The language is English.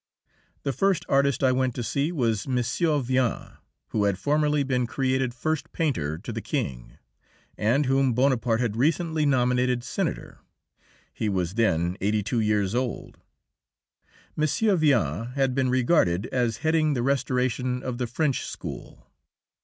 The first artist I went to see was M. Vien, who had formerly been created first painter to the King, and whom Bonaparte had recently nominated Senator. He was then eighty two years old. M. Vien may be regarded as heading the restoration of the French school.